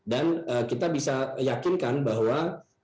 dan kita bisa yakinkan bahwa